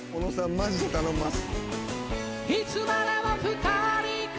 マジで頼んます。